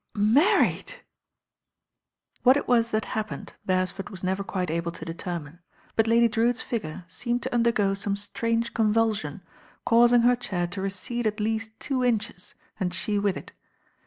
"Married 1" What it was that happened Beresford was never quite able to determine; but Lady Drewitt's figure seemed to undergo some strange convulsion, causing her chair to recede at least two inches and she with it.